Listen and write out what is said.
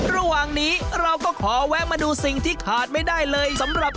ระหว่างนี้เราก็ขอแวะมาดูสิ่งที่ขาดไม่ได้เลยสำหรับ